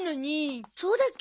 そうだっけ？